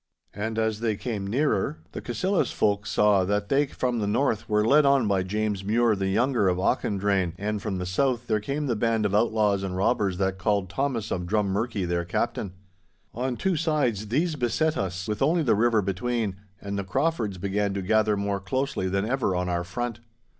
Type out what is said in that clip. And as they came nearer, the Cassillis folk saw that they from the North were led on by James Mure the younger of Auchendrayne, and from the south there came the band of outlaws and robbers that called Thomas of Drummurchie their captain. On two sides these beset us, with only the river between, and the Craufords began to gather more closely than ever on our front.